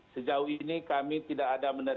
sejauh ini kami tidak ada